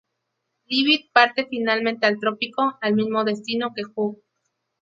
Levett parte finalmente al Trópico, al mismo destino que Hugh.